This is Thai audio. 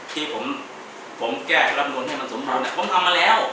ที่ผมแก้รับโมนให้มันสมมติผมทำมาแล้ว